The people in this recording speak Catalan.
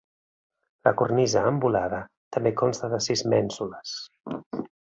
La cornisa, amb volada, també consta de sis mènsules.